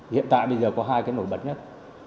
hiện tại có hai nổi bật nhất